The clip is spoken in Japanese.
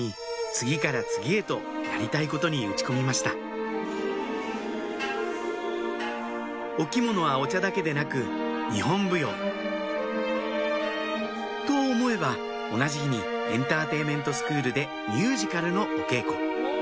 次から次へとやりたいことに打ち込みましたお着物はお茶だけでなく日本舞踊と思えば同じ日にエンターテインメントスクールでミュージカルのお稽古